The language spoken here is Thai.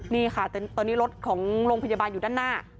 นี่ค่ะตอนนี้รถของโรงพยาบาลอยู่ด้านหน้า